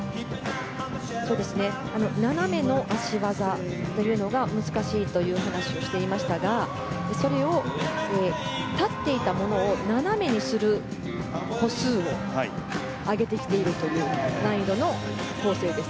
斜めの脚技というのが難しいという話をしていましたが立っていたものを斜めにする数を上げてきているという難易度の構成です。